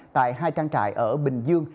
tại hai trang trại ở bình dương